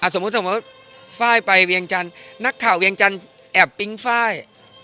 สมมุติสมมุติไฟล์ไปเวียงจันทร์นักข่าวเวียงจันทร์แอบปิ๊งไฟล์